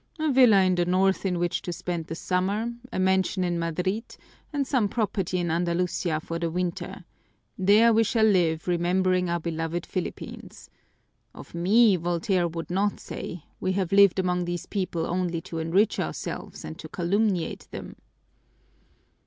A villa in the North in which to spend the summer, a mansion in Madrid, and some property in Andalusia for the winter there we shall live remembering our beloved Philippines. Of me Voltaire would not say, 'We have lived among these people only to enrich ourselves and to calumniate them.'"